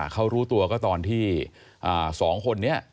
เขารู้ตัวก็ตอนที่๒คนนี้